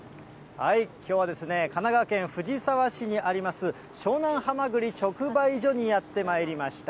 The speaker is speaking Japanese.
きょうはですね、神奈川県藤沢市にあります、湘南はまぐり直売所にやってまいりました。